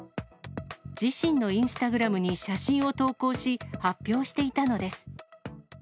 自身のインスタグラムに写真を投稿し、発表していたのです。